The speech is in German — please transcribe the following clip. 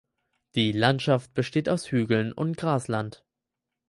Die Landschaft besteht aus Hügeln und Grasland.